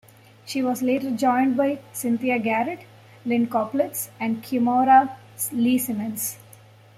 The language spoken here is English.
She was later joined by Cynthia Garrett, Lynne Koplitz, and Kimora Lee Simmons.